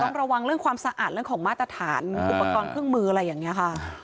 ต้องระวังเรื่องความสะอาดเรื่องของมาตรฐานอุปกรณ์เครื่องมืออะไรอย่างนี้ค่ะ